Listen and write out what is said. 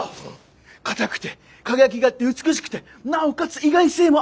硬くて輝きがあって美しくてなおかつ意外性もある。